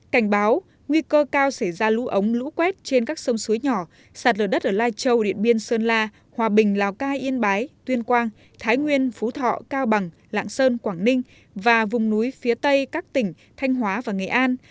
cảnh báo nguy cơ cao xảy ra lũ ống lũ quét trên các sông suối nhỏ sạt lở đất ở lai châu điện biên sơn la hòa bình lào cai yên bái tuyên quang thái nguyên phú thọ cao bằng lạng sơn quảng ninh và vùng núi phía tây các tỉnh thanh hóa và nghệ an